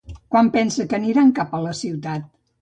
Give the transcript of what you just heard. Quan pensa que aniran cap a la ciutat?